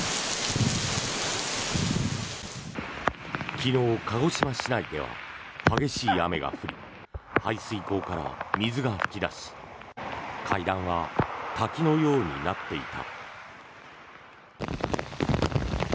昨日、鹿児島市内では激しい雨が降り排水溝から水が噴き出し階段は滝のようになっていた。